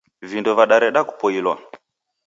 Vindo vadareda kupoilwa.